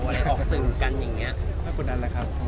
หว่าเดี๋ยวคุณกันแบบนี้